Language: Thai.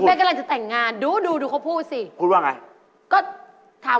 จิตใจแกเนี่ยมันหย่ามกล้าน